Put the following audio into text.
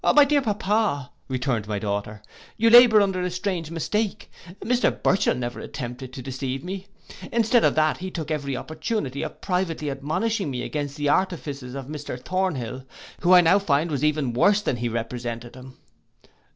'My dear papa,' returned my daughter, 'you labour under a strange mistake, Mr Burchell never attempted to deceive me. Instead of that he took every opportunity of privately admonishing me against the artifices of Mr Thornhill, who I now find was even worse than he represented him.